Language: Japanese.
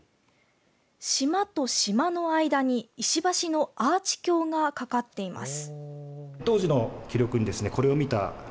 島と島の間に石橋のアーチ橋が架かっています。